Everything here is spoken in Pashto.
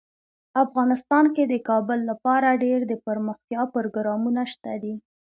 افغانستان کې د کابل لپاره ډیر دپرمختیا پروګرامونه شته دي.